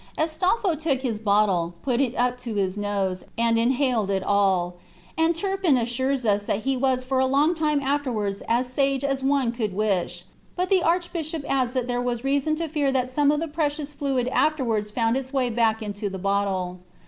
Astolpho took his bottle, put it to his nose, and inhaled it all; and Turpin assures us that he was for a long time afterwards as sage as one could wish; but the Archbishop adds that there was reason to fear that some of the precious fluid afterwards found its way back into the bottle.